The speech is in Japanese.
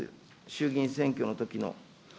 衆議院選挙のときの。